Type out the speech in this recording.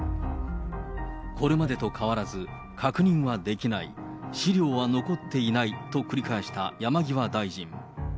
これまでと変わらず、確認はできない、資料は残っていないと繰り返した山際大臣。